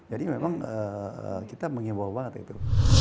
jadi memang kita mengimbau banget gitu